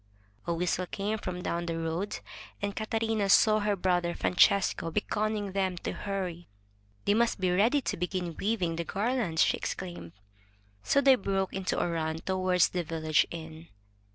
A whistle came from down the road, and Catarina saw her brother Francesco beckoning them to hurry. *They must be ready to begin weaving the garlands!" she exclaimed. So they broke into a run toward the village inn.